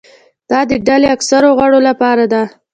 دا د ډلې اکثرو غړو لپاره ده.